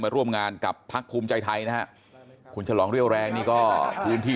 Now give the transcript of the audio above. ร่วมงานกับพักภูมิใจไทยนะฮะคุณฉลองเรี่ยวแรงนี่ก็พื้นที่